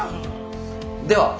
では。